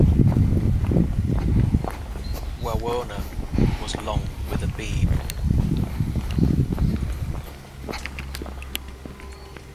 "Wawona" was long with a beam.